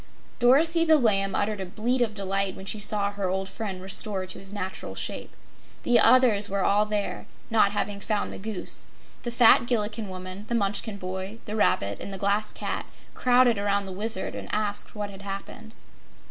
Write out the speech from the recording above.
Dorothy the Lamb uttered a bleat of delight when she saw her old friend restored to his natural shape. The others were all there, not having found the Goose. The fat Gillikin woman, the Munchkin boy, the Rabbit and the Glass Cat crowded around the Wizard and asked what had happened.